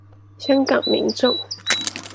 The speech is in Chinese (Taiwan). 香港民眾